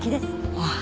ああ。